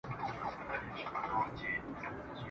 دا بری او سخاوت دی چي ژوندی دي سي ساتلای !.